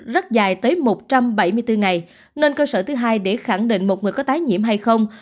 rất dài tới một trăm bảy mươi bốn ngày nên cơ sở thứ hai để khẳng định một người có tái nhiễm hay không